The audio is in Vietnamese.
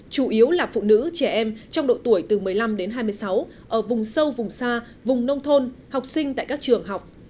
chủ yếu là phụ nữ trẻ em trong độ tuổi từ một mươi năm đến hai mươi sáu ở vùng sâu vùng xa vùng nông thôn học sinh tại các trường học